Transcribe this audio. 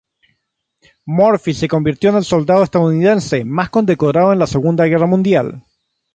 Murphy se convirtió en el soldado estadounidense más condecorado de la Segunda Guerra Mundial.